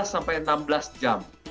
hampir empat belas sampai enam belas jam